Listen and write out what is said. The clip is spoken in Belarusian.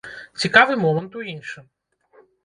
Цікавы момант у іншым.